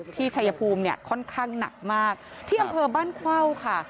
ชัยภูมิเนี่ยค่อนข้างหนักมากที่อำเภอบ้านเข้าค่ะ